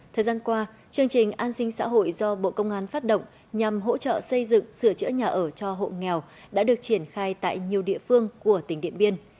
thời gian qua chương trình an sinh xã hội do bộ công an phát động nhằm hỗ trợ xây dựng sửa chữa nhà ở cho hộ nghèo đã được triển khai tại nhiều địa phương của tỉnh điện biên